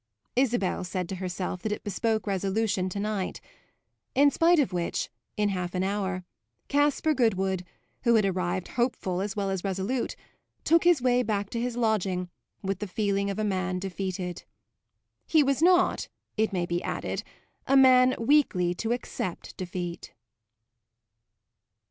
Isabel said to herself that it bespoke resolution to night; in spite of which, in half an hour, Caspar Goodwood, who had arrived hopeful as well as resolute, took his way back to his lodging with the feeling of a man defeated. He was not, it may be added, a man weakly to accept defeat.